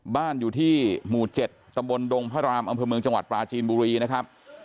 บ้านอยู่ที่หมู่๗ตำบลดงพระรามอำเภอเมืองจังหวัดปราจีนบุรีนะครับ